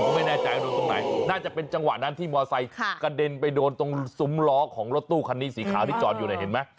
ก็ไม่แน่ใจว่าโดนตรงไหนน่าจะเป็นจังหวะนั้นที่มอไซค์กระเด็นไปโดนตรงซุ้มล้อของรถตู้คันนี้สีขาวที่จอดอยู่เนี่ยเห็นไหม